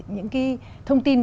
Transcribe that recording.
những cái thông tin